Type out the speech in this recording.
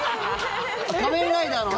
仮面ライダーのね。